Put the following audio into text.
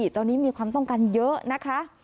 ตอนนี้มีความต้องการเยอะนะคะ